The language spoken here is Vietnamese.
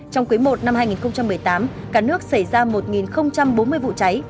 trong quý i năm hai nghìn một mươi tám cả nước xảy ra một bốn mươi vụ cháy